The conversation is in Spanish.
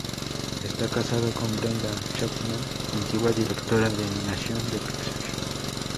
Está casado con Brenda Chapman, antigua directora de animación de Pixar.